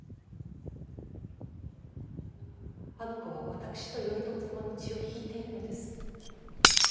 あの子は私と頼朝様の血を引いているのです。